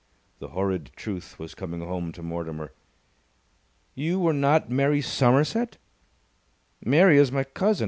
The horrid truth was coming home to Mortimer. "You were not Mary Somerset?" "Mary is my cousin.